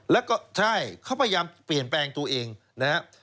แล้วก็ใช่เขาพยายามเปลี่ยนแปลงตัวเองนะครับ